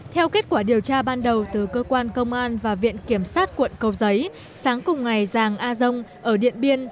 theo kết quả điều tra ban đầu từ cơ quan công an và viện kiểm sát quận cầu giấy sáng cùng ngày giàng a dông ở điện biên